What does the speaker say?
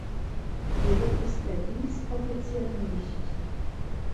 Jedoch ist er dies offiziell nicht.